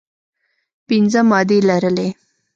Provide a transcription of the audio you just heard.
پنځه مادې لرلې.